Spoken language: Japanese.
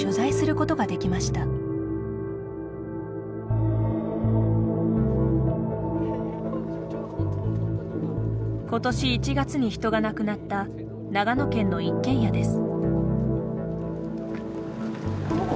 ことし１月に人が亡くなった長野県の一軒家です。